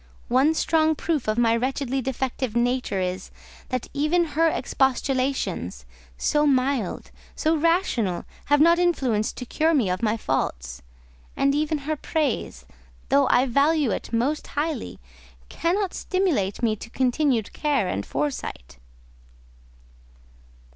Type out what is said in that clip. One strong proof of my wretchedly defective nature is, that even her expostulations, so mild, so rational, have not influence to cure me of my faults; and even her praise, though I value it most highly, cannot stimulate me to continued care and foresight."